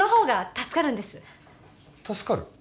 助かる？